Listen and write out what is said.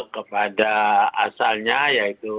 kepada asalnya yaitu